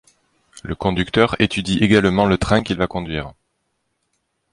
Le conducteur étudie également le train qu'il va conduire.